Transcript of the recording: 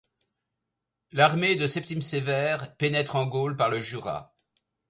L'armée de Septime Sévère pénètre en Gaule par le Jura.